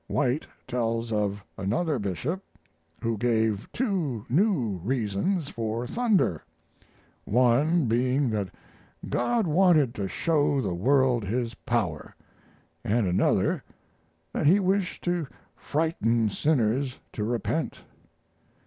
White tells of another bishop who gave two new reasons for thunder; one being that God wanted to show the world His power, and another that He wished to frighten sinners to repent.